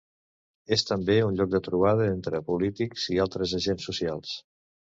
És també un lloc de trobada entre polítics i altres agents socials.